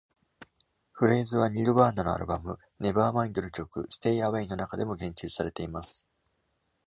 フレーズは、ニルヴァーナのアルバム「ネヴァーマインド」の曲「ステイ・アウェイ」の中でも言及されています。